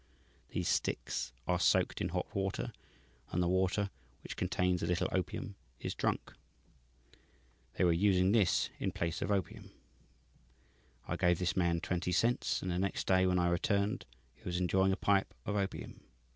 These sticks are soaked in hot water, and the water, which contains a little opium, is drunk. They were using this in place of opium. I gave this man twenty cents, and the next day when I returned he was enjoying a pipe of opium.